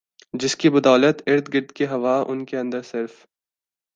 جس کی بدولت ارد گرد کی ہوا ان کے اندر صرف